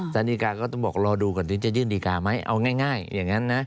สารดีกาก็ต้องบอกรอดูก่อนที่จะยื่นดีการ์ไหมเอาง่ายอย่างนั้นนะ